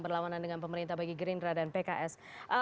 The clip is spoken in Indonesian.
berlawanan dengan pemerintah bagi gerindra dan pks